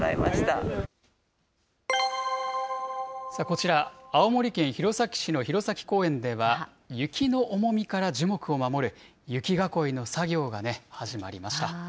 こちら、青森県弘前市の弘前公園では、雪の重みから樹木を守る、雪囲いの作業がね、始まりました。